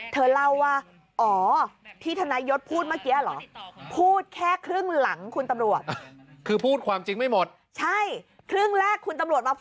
เดี๋ยวเราว่าอ๋อที่ทนายรถพูดเมื่อกี้เอาหรอพูดแค่ครึ่งหลังคุณตำรวจคือพูดความจริงไม่หมด